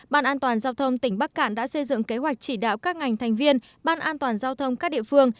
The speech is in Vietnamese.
ban an toàn giao thông tỉnh bắc cạn đã xây dựng kế hoạch chỉ đạo các ngành thành viên ban an toàn giao thông các địa phương